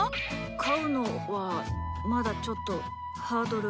飼うのはまだちょっとハードル高い。